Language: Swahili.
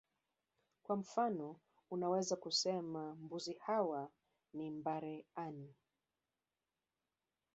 Kwa mfano unaweza kusema mbuzi hawa ni mbare ani